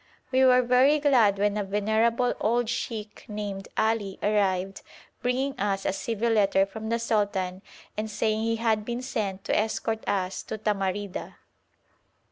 We were very glad when a venerable old sheikh named Ali arrived bringing us a civil letter from the sultan and saying he had been sent to escort us to Tamarida.